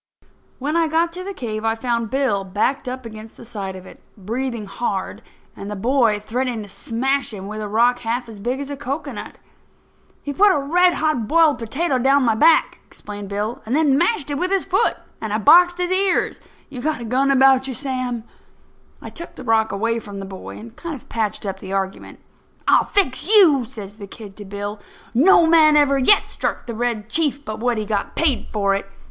When I got to the cave I found Bill backed up against the side of it, breathing hard, and the boy threatening to smash him with a rock half as big as a cocoanut. "He put a red hot boiled potato down my back," explained Bill, "and then mashed it with his foot; and I boxed his ears. Have you got a gun about you, Sam?" I took the rock away from the boy and kind of patched up the argument. "I'll fix you," says the kid to Bill. "No man ever yet struck the Red Chief but what he got paid for it.